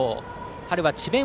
春は智弁